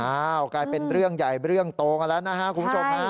กลายเป็นเรื่องใหญ่เรื่องโตกันแล้วนะฮะคุณผู้ชมฮะ